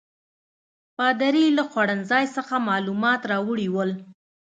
پادري له خوړنځای څخه معلومات راوړي ول.